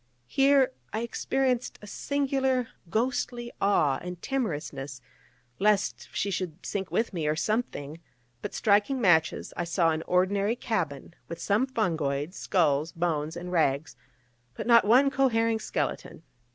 Here I experienced a singular ghostly awe and timorousness, lest she should sink with me, or something: but striking matches, I saw an ordinary cabin, with some fungoids, skulls, bones and rags, but not one cohering skeleton.